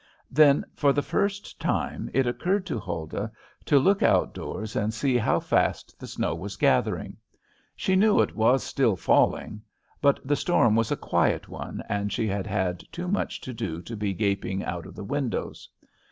Then for the first time it occurred to Huldah to look out doors and see how fast the snow was gathering. She knew it was still falling. But the storm was a quiet one, and she had had too much to do to be gaping out of the windows.